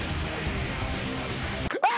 あっ！